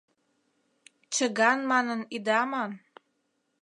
Чыган манын ида ман